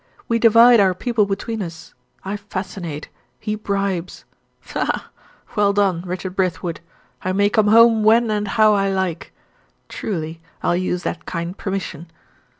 We divide our people between us; I fascinate he bribes. Ha! ha! Well done, Richard Brithwood! I may come home 'when and how I like!' Truly, I'll use that kind permission."